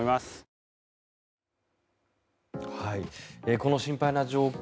この心配な状況